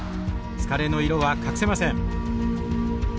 疲れの色は隠せません。